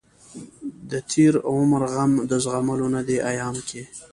دتېر عمر غم دزغم نه دی ايام کې